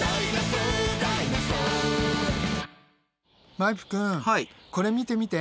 マイプくんこれ見て見て。